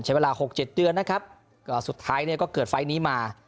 ใช้เวลาหกเจ็ดเดือนนะครับก็สุดท้ายเนี่ยก็เกิดไฟล์นี้มา